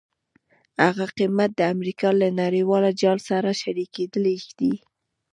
هغه قیمت د امریکا له نړیوال جال سره شریکېدل دي.